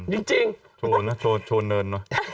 อืมจริงโชว์เนินนะโชว์เนิน